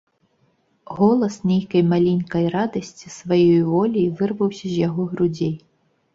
Голас нейкай маленькай радасці сваёю воляй вырваўся з яго грудзей.